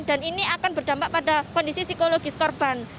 dan ini akan berdampak pada kondisi psikologis korban